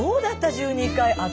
１２回。